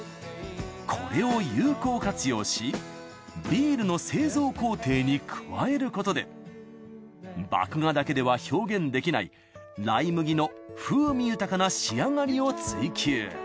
これを有効活用しビールの製造工程に加えることで麦芽だけでは表現できないライ麦の風味豊かな仕上がりを追求。